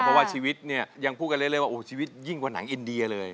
เพราะว่าชีวิตเนี่ยยังพูดกันเรื่อยว่าชีวิตยิ่งกว่าหนังอินเดียเลย